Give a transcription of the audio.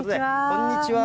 こんにちは。